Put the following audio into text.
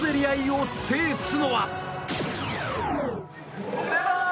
つばぜり合いを制すのは？